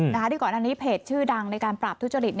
ที่ก่อนอันนี้เพจชื่อดังในการปราบทุจริต